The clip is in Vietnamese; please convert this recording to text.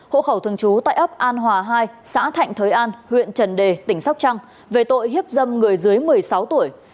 hộ khẩu thường trú tại ấp an hòa hai xã thạnh thới an huyện trần đề tp hcm về tội hiếp dâm người dưới một mươi sáu tuổi